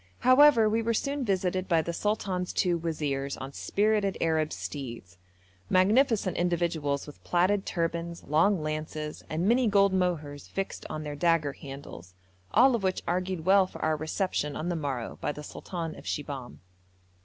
However, we were soon visited by the sultan's two wazirs on spirited Arab steeds: magnificent individuals with plaided turbans, long lances, and many gold mohurs fixed on their dagger handles, all of which argued well for our reception on the morrow by the sultan of Shibahm.